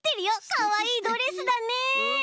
かわいいドレスだね。